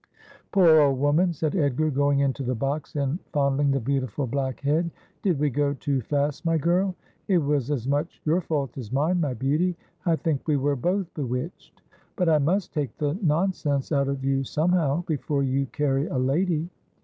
'Poor old woman !' said Edgar, going into the box and fond ling the beautiful black head. ' Did we go too fast, my girl ? It was as much your fault as mine, my beauty. I think we were both bewitched ; but I must take the nonsense out of you some how, before you carry a lady.'